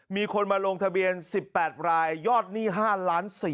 มีคนมาลงทะเบียน๑๘รายยอดหนี้๕๔๐๐